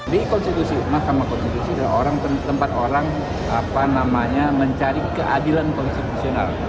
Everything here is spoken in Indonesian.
di konstitusi mahkamah konstitusi adalah tempat orang mencari keadilan konstitusional